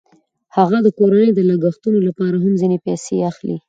هغه د کورنۍ د لګښتونو لپاره هم ځینې پیسې اخلي